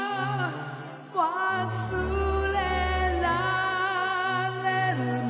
「忘れられるのに」